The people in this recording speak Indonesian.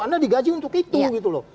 anda digaji untuk itu gitu loh